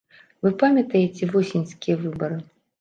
Вы памятаеце восеньскія выбары?